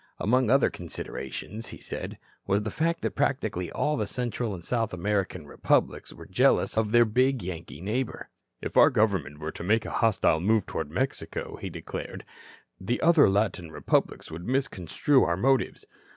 Among other considerations, he said, was the fact that practically all the Central and South American republics were jealous of their big Yankee neighbor. "If our government were to make a hostile move toward Mexico," he declared, "the other Latin republics would misconstrue our motives.